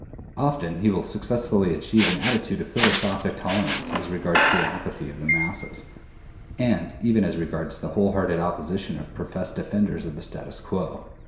Often he will successfully achieve an attitude of philosophic tolerance as regards the apathy of the masses, and even as regards the whole hearted opposition of professed defenders of the status quo.